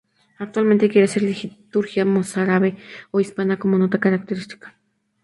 Actualmente quiere ser la liturgia mozárabe o hispana, como nota característica.